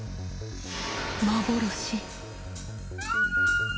幻。